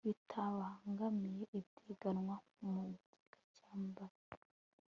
bitabangamiye ibiteganywa mu gika cya mbere